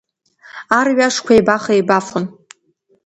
Арҩашқәа еибах-еибафон.